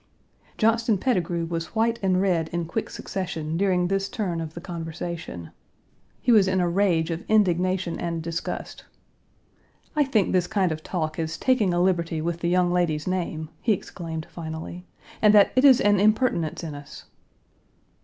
Johnston Pettigrew was white and red in quick succession Page 174 during this turn of the conversation; he was in a rage of indignation and disgust. "I think this kind of talk is taking a liberty with the young lady's name," he exclaimed finally, "and that it is an impertinence in us."